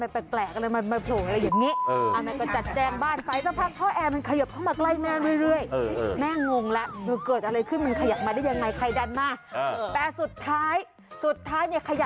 แปลว่าพ่อหนุ่มคนนี้แกล้งแม่ได้ไหมไปดูค่ะ